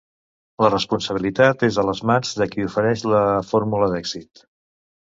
La responsabilitat és a les mans de qui ofereix la fórmula d'èxit.